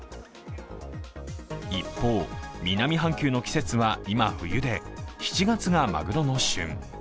一方、南半球の季節は今、冬で７月がまぐろの旬。